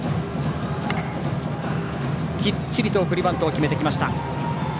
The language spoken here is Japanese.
きっちりと送りバントを決めてきました。